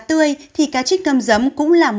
tươi thì cá chích ngâm giấm cũng là